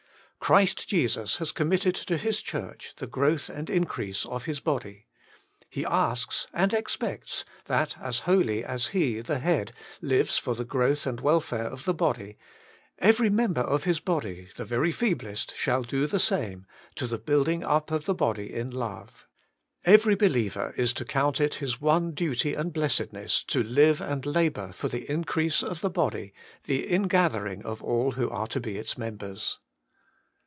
Christ Jesus has committed to His Church the growth and increase of His body. He asks and expects that as wholly as He the Head lives for the growth and welfare of the body, every member of His body, the very fee blest, shall do the same, to the building up of the body in love. Every believer is to count it his one duty and blessedness to live and labour for the increase of the body, the ingathering of all who are to be its mem bers.